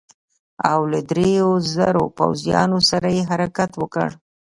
او له دریو زرو پوځیانو سره یې حرکت وکړ.